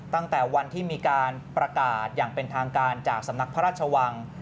ตั้งแต่วันที่มีการประกาศอย่างเป็นทางการจากสำนักพระราชวัง